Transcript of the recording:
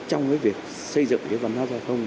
trong cái việc xây dựng cái văn hóa giao thông